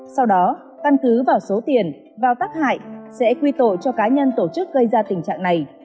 sau đó căn cứ vào số tiền vào tác hại sẽ quy tội cho cá nhân tổ chức gây ra tình trạng này